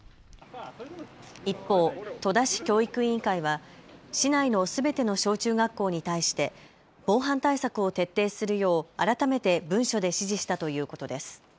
一方、戸田市教育委員会は市内のすべての小中学校に対して防犯対策を徹底するよう改めて文書で指示したということです。